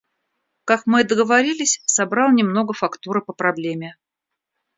Как мы и договорились, собрал немного фактуры по проблеме.